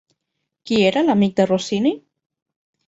Qui era l'amic de Rossini?